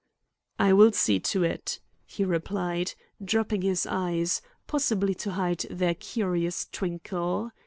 "I will see to it," he replied, dropping his eyes, possibly to hide their curious twinkle.